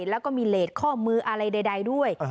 แล้วก็มีเลสข้อมืออะไรใดด้วย